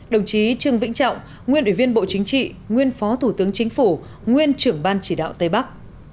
đồng chí trương vĩnh trọng nguyên ủy viên bộ chính trị nguyên phó thủ tướng chính phủ nguyên trưởng ban chỉ đạo tây bắc